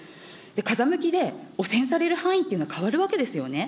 風向きで汚染される範囲というのは、変わるわけですよね。